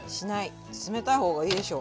冷たい方がいいでしょ。